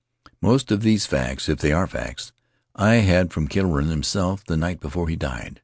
"Most of these facts — if they are facts — I had from Killorain himself the night before he died.